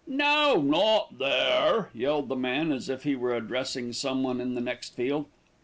"No, not there," yelled the man, as if he were addressing someone in the next field.